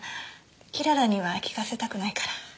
雲母には聞かせたくないから。